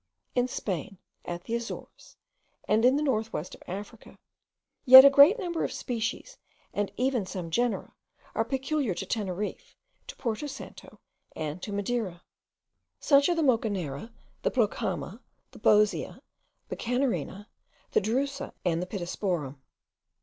in Spain, at the Azores, and in the north west of Africa, yet a great number of species, and even some genera, are peculiar to Teneriffe, to Porto Santo, and to Madeira. Such are the Mocanera, the Plocama, the Bosea, the Canarina, the Drusa, and the Pittosporum.